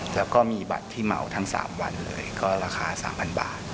แล้วก็มีบัตรที่เหมาทั้ง๓วันเลยก็ราคา๓๐๐บาท